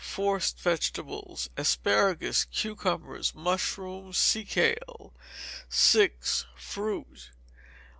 Forced Vegetables. Asparagus, cucumbers, mushrooms, sea kale. vi. Fruit.